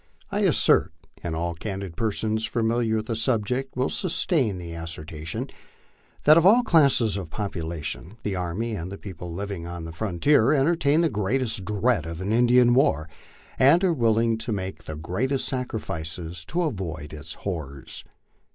I assert, and all candid persons familiar with the subject will sustain the asser tion, that of all classes of our population the army and the people living on the frontier entertain the greatest dread of an Indian war, and are willing to make the greatest sacrifices to avoid its horrors.